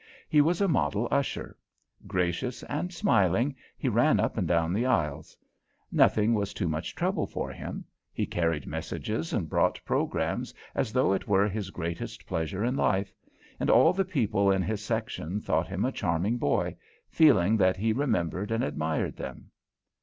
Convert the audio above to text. He was a model usher. Gracious and smiling he ran up and down the aisles. Nothing was too much trouble for him; he carried messages and brought programs as though it were his greatest pleasure in life, and all the people in his section thought him a charming boy, feeling that he remembered and admired them.